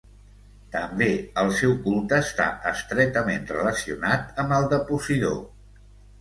També, el seu culte està estretament relacionat amb el de Posidó.